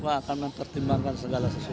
pokoknya mk akan mempertimbangkan segala sesuatu